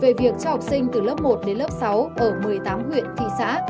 về việc cho học sinh từ lớp một đến lớp sáu ở một mươi tám huyện thị xã